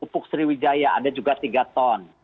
pupuk sriwijaya ada juga tiga ton